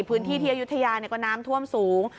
พื้นที่อัยุธยานไปของพวกน้ำถ้วมสูง